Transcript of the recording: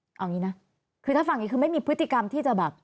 เอาอย่างนี้นะคือถ้าฟังอย่างนี้คือไม่มีพฤติกรรมที่จะแบบ